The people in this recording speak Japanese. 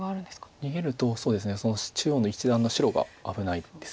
逃げるとその中央の一団の白が危ないんです。